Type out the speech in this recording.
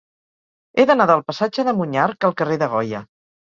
He d'anar del passatge de Monyarc al carrer de Goya.